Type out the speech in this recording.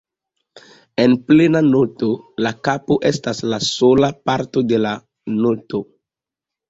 En plena noto, la kapo estas la sola parto de la noto.